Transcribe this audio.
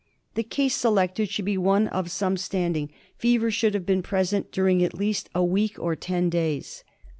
The case selected should be one of some standing; fever should have been present during at least a week or ten days.